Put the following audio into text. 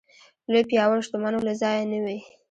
لوی پياوړ شتمنو له ځایه نه وي.